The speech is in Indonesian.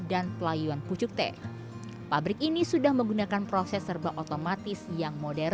dan pelayuan pucuk teh pabrik ini sudah menggunakan proses serba otomatis yang modern